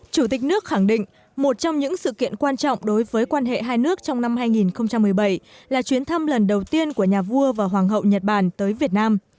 chủ tịch nước khẳng định một trong những sự kiện quan trọng đối với quan hệ hai nước trong năm hai nghìn một mươi bảy là chuyến thăm lần đầu tiên của nhà vua và hoàng hậu nhật bản tới việt nam